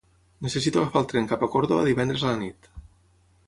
Necessito agafar el tren cap a Córdoba divendres a la nit.